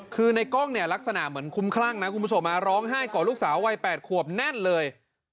คือในกล้องเนี่ยลักษณะเหมือนคุ้มคลั่งนะคุณผู้ชมร้องไห้ก่อลูกสาววัย๘ขวบแน่นเลย